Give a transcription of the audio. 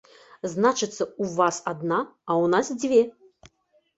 Значыцца, у вас адна, а ў нас дзве!